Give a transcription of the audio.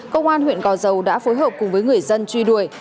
công an huyện gò dầu đã phối hợp cùng với người dân truy đuổi